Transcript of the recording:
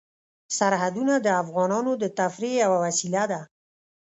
سرحدونه د افغانانو د تفریح یوه وسیله ده.